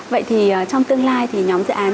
vậy thì trong tương lai thì nhóm dự án